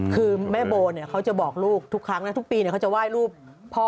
คือแม่โบเขาจะบอกลูกทุกครั้งนะทุกปีเขาจะไหว้รูปพ่อ